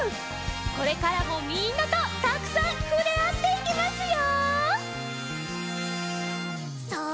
これからもみんなとたくさんふれあっていきますよ。